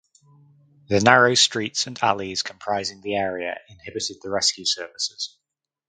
The narrow streets and alleys comprising the area inhibited the rescue services.